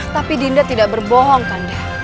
tapi dinda tidak berbohong kan